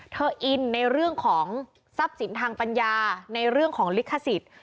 อินในเรื่องของทรัพย์สินทางปัญญาในเรื่องของลิขสิทธิ์